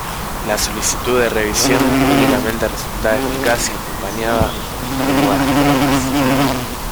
La solicitud de revisión únicamente resultaba eficaz si se acompañaba de nuevas pruebas.